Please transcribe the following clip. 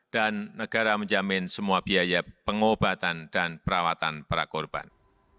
dan negara menjamin semua biaya pengobatan dan perawatan para korban